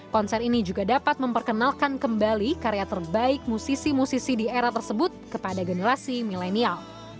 konser ini juga dapat memperkenalkan kembali karya terbaik musisi musisi di era tersebut kepada generasi milenial